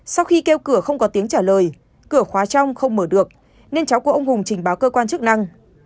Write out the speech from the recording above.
sau khi kêu cửa không có tiếng trả lời cửa khóa trong không mở được nên cháu của ông hùng trình báo cơ quan chức năng